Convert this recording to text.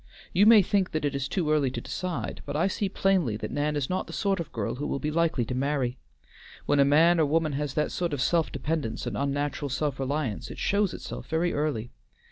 You may think that it is too early to decide, but I see plainly that Nan is not the sort of girl who will be likely to marry. When a man or woman has that sort of self dependence and unnatural self reliance, it shows itself very early.